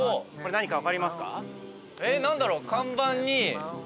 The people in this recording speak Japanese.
何だろう？